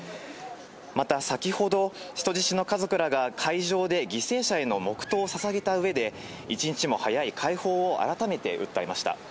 また、先ほど人質の家族らが会場で犠牲者への黙祷を捧げたうえで一日も早い解放を改めて訴えました。